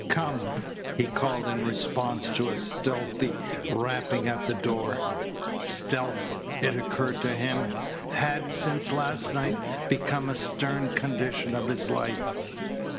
"Come!" he called in response to a stealthy rapping at the door. Stealth, it occurred to him, had, since last night, become a stern condition of his life.